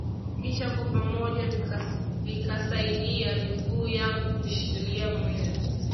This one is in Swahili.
kisha kwa pamoja vikasaidia miguu yangu kushikilia mwili